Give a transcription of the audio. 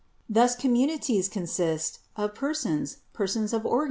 Thus communities consist of persons, persons of organs, Fig.